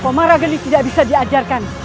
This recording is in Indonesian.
komaragen tidak bisa diajarkan